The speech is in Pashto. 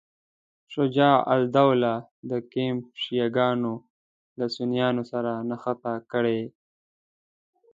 شجاع الدوله د کمپ شیعه ګانو له سنیانو سره نښته کړې.